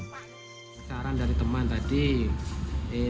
perjalanan dari teman tadi lebih